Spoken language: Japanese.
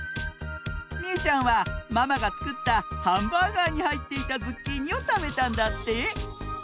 みうちゃんはママがつくったハンバーガーにはいっていたズッキーニをたべたんだって！